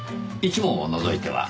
１問を除いては。